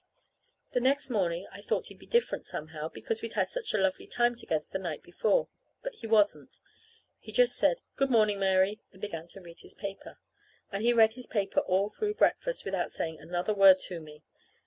The next morning I thought he'd be different, somehow, because we'd had such a lovely time together the night before. But he wasn't. He just said, "Good morning, Mary," and began to read his paper. And he read his paper all through breakfast without saying another word to me.